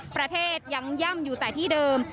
ประเทศยังย่ำอยู่แต่ที่เดิม